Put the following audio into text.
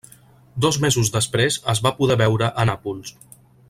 Dos mesos després es va poder veure a Nàpols.